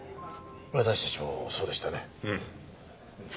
私たちもそうでしたね。